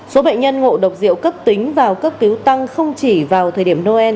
số bệnh nhân ngộ độc rượu cấp tính vào cấp cứu tăng không chỉ vào thời điểm noel